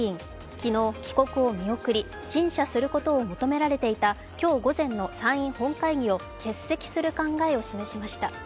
昨日、帰国を見送り陳謝することを求められていた今日午前の参院本会議を欠席する考えを示しました。